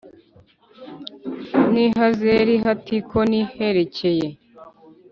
n i Hazeri Hatikoni herekeye